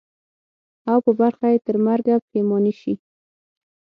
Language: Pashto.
او په برخه یې ترمرګه پښېماني سي.